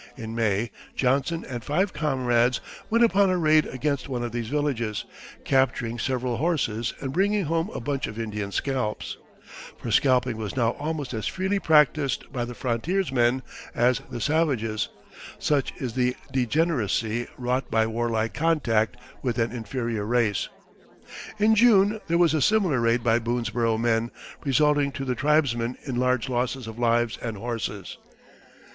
In May, Johnson and five comrades went upon a raid against one of these villages, capturing several horses and bringing home a bunch of Indian scalps, for scalping was now almost as freely practised by the frontiersmen as the savages; such is the degeneracy wrought by warlike contact with an inferior race. In June there was a similar raid by Boonesborough men, resulting to the tribesmen in large losses of lives and horses.